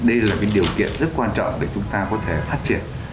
đây là cái điều kiện rất quan trọng để chúng ta có thể phát triển